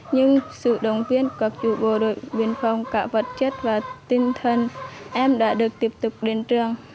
nhưng sự đồng viên các chủ bộ đội biên phòng cả vật chất và tinh thần em đã được tiếp tục đến trường